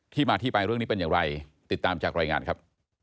มาที่ไปเรื่องนี้เป็นอย่างไรติดตามจากรายงานครับ